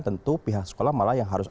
tentu pihak sekolah malah yang harus